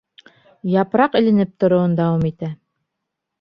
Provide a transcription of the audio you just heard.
Япраҡ эленеп тороуын дауам итә.